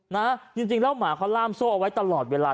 นะจริงแล้วหมาเขาล่ามโซ่เอาไว้ตลอดเวลา